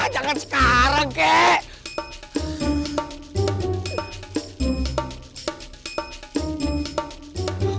jangan sekarang kek